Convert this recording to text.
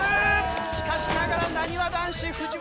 しかしながらなにわ男子藤原